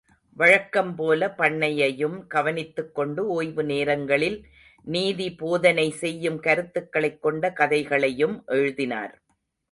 வழக்கம் போல பண்ணையையும் கவனித்துக் கொண்டு ஓய்வு நேரங்களில் நீதி போதனை செய்யும் கருத்துக்களைக் கொண்ட கதைகளையும் எழுதினார்.